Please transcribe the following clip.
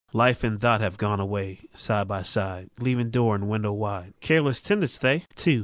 Life and Thought have gone away Side by side, Leaving door and windows wide; Careless tenants they!